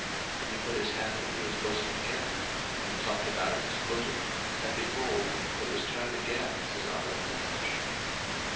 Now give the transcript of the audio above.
And he put his hand into his bosom again; and plucked it out of his bosom, and, behold, it was turned again as his other flesh.